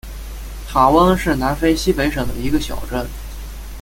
塔翁是南非西北省的一个小镇。